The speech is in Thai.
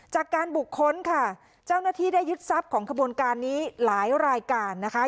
จากการบุคคลค่ะเจ้าหน้าที่ได้ยึดทรัพย์ของขบวนการนี้หลายรายการนะคะ